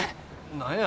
何や？